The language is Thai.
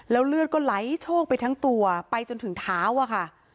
เลือดก็ไหลโชคไปทั้งตัวไปจนถึงเท้าอะค่ะ